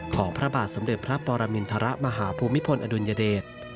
พระบาทสมเด็จพระปรมินทรมาหาภูมิพลอดุลยเดช